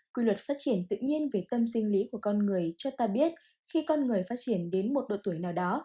quy luật phát triển tự nhiên về tâm sinh lý của con người cho ta biết khi con người phát triển đến một độ tuổi nào đó